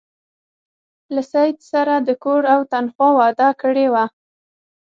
له سید سره د کور او تنخوا وعده کړې وه.